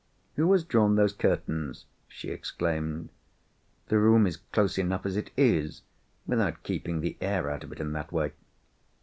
"Who has drawn those curtains?" she exclaimed. "The room is close enough, as it is, without keeping the air out of it in that way."